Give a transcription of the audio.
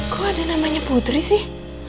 kok ada namanya putri sih